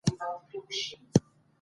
که واټني صنف منظم وي، ستونزې نه زیاتېږي.